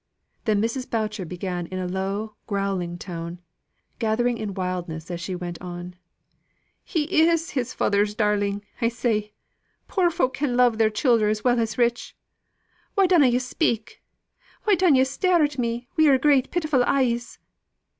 Then Mrs. Boucher began in a low growling tone, gathering in wildness as she went on: "He is his father's darling, I say. Poor folk can love their childer as well as rich. Why dunno yo' speak? Why dun yo' stare at me wi' your great pitiful eyes?